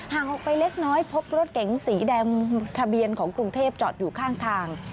ออกไปเล็กน้อยพบรถเก๋งสีแดงทะเบียนของกรุงเทพจอดอยู่ข้างทาง